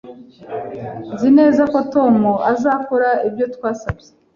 Nzi neza ko Tom azakora ibyo twasabye